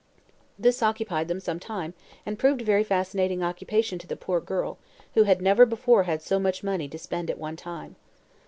This occupied them some time and proved a very fascinating occupation to the poor girl, who had never before had so much money to spend at one time.